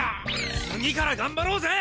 次から頑張ろぜ！